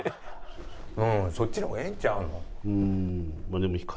そっちの方がええんちゃうの？